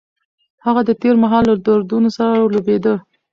هغه د تېر مهال له دردونو سره لوبېده.